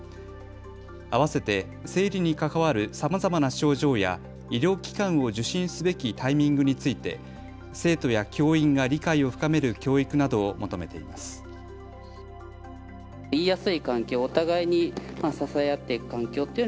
あわせて生理に関わるさまざまな症状や医療機関を受診すべきタイミングについて生徒や教員が理解を深める教育などを求めています。